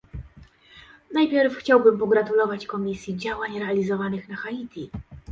Najpierw chciałbym pogratulować Komisji działań realizowanych na Haiti